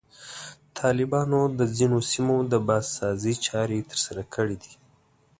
طالبانو د ځینو سیمو د بازسازي چارې ترسره کړي دي.